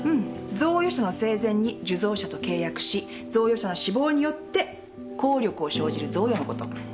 贈与者が生前に受贈者と契約し贈与者の死亡によって効力を生じる贈与のこと。